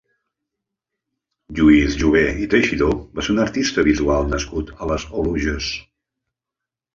Lluís Jové i Teixidó va ser un artista visual nascut a les Oluges.